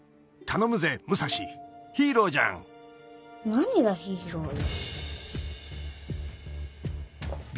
何がヒーローよ。